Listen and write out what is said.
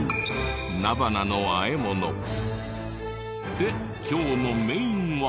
で今日のメインは。